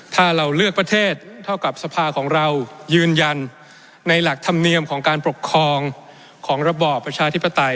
ถ้าเราเลือกประเทศเท่ากับสภาของเรายืนยันในหลักธรรมเนียมของการปกครองของระบอบประชาธิปไตย